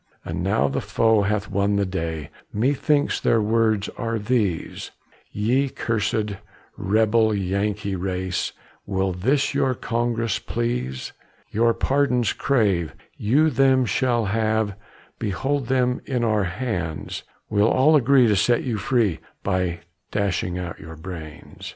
And now the foe hath won the day, Methinks their words are these: "Ye cursed, rebel, Yankee race, Will this your Congress please? "Your pardons crave, you them shall have, Behold them in our hands; We'll all agree to set you free, By dashing out your brains.